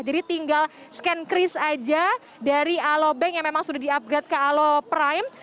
jadi tinggal scan kris aja dari alobank yang memang sudah di upgrade ke aloprime